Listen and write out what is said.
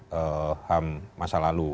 pelanggaran ham masa lalu